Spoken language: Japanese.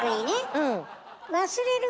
うん。